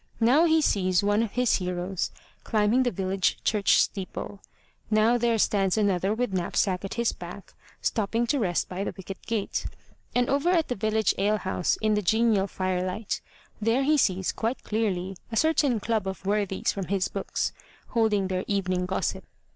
Now he sees one of his heroes climbing the village church steeple; now there stands another with knapsack at his back, stopping to rest by the wicket gate, and over at the village ale house in the genial firelight, there he sees quite clearly a certain club of worthies from his books holding their evening gossip.